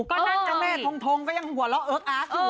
ก็นั่นเจ้าแม่ทงก็ยังหัวเราะเอิ๊กอาร์กอยู่